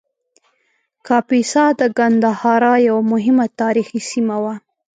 کاپیسا د ګندهارا یوه مهمه تاریخي سیمه وه